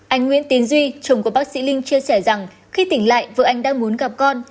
anh nguyễn tiến duy chồng của bác sĩ linh chia sẻ rằng khi tỉnh lại vợ anh đang muốn gặp con